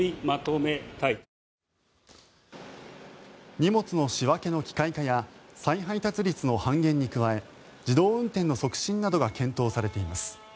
荷物の仕分けの機械化や再配達率の半減に加え自動運転の促進などが検討されています。